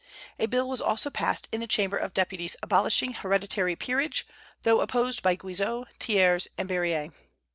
A bill was also passed in the Chamber of Deputies abolishing hereditary peerage, though opposed by Guizot, Thiers, and Berryer.